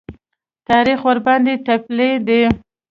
تاریخ ورباندې تپلی دی.